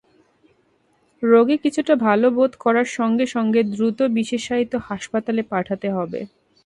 রোগী কিছুটা ভালো বোধ করার সঙ্গে সঙ্গে দ্রুত বিশেষায়িত হাসপাতালে পাঠাতে হবে।